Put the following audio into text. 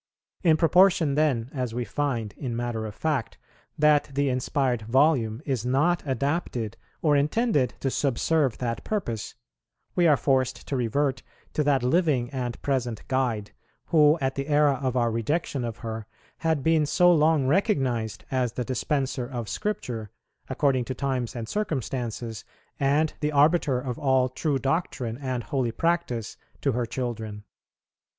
In proportion, then, as we find, in matter of fact, that the inspired Volume is not adapted or intended to subserve that purpose, are we forced to revert to that living and present Guide, who, at the era of our rejection of her, had been so long recognized as the dispenser of Scripture, according to times and circumstances, and the arbiter of all true doctrine and holy practice to her children.